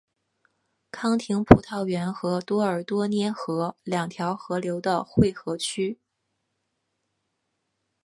康廷葡萄园和多尔多涅河两条河流的汇合区。